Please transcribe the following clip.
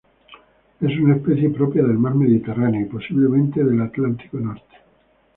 Es una especie propia del mar Mediterráneo, y posiblemente del Atlántico norte.